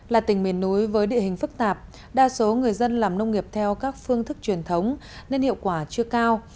là tỉnh miền núi với địa hình phức tạp đa số người dân làm nông nghiệp theo các phương thức truyền thống nên hiệu quả chưa cao